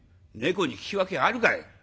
「猫に聞き分けがあるかい？」。